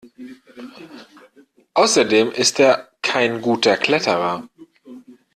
Außerdem ist er kein guter Kletterer.